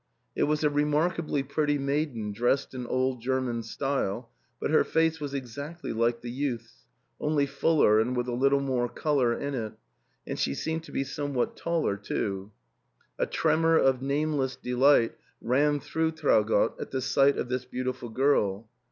It was a remarkably pretty maiden dressed in old German style, but her face was exactly like the youth's, only fuller and with a little more colour in it, and she seemed to be somewhat taller too. A tremor of name less delight ran through Traugott at the sight of this beautiful girl.